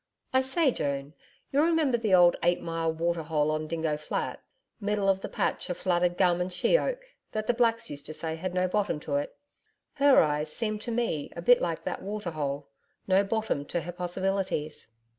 I say, Joan, you remember the old Eight Mile Water hole on Dingo Flat middle of the patch of flooded gum and she oak that the Blacks used to say had no bottom to it? HER eyes seemed to me a bit like that water hole No bottom to her possibilities.'